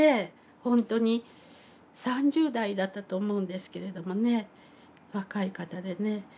本当に３０代だったと思うんですけれどもね若い方でね。